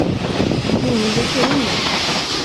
Ingen bryr sig om det.